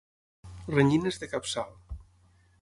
Renyines de capçal.